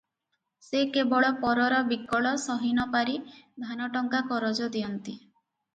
ସେ କେବଳ ପରର ବିକଳ ସହିନପାରି ଧାନ ଟଙ୍କା କରଜ ଦିଅନ୍ତି ।